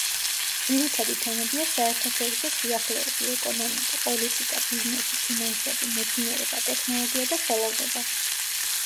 ძირითადი თემებია საერთაშორისო სიახლეები, ეკონომიკა, პოლიტიკა, ბიზნესი, ფინანსები, მეცნიერება, ტექნოლოგია და ხელოვნება.